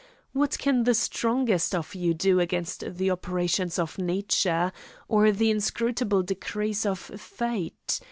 What can the strongest of you do against the operations of nature, or the inscrutable decrees of fate?